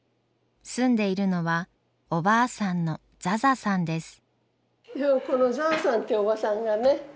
住んでいるのはおばあさんのザザさんです。